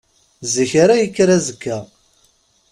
Zik ara yekker azekka.